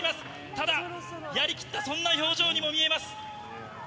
ただやり切った、そんな表情にも見えます。